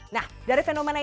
nah dari fenomena ini